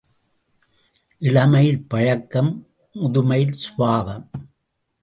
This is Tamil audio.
இளமையில் பழக்கம் முதுமையில் சுபாவம்.